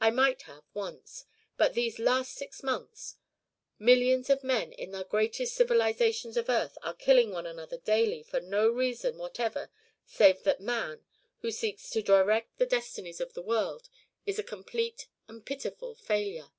I might have, once. But these last six months! Millions of men in the greatest civilisations of earth are killing one another daily for no reason whatever save that man, who seeks to direct the destinies of the world, is a complete and pitiful failure.